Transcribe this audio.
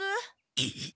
えっ！？